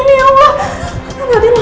ini gimana ini ya allah